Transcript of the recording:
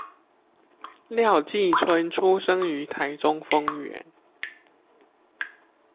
廖繼春出生於台中豐原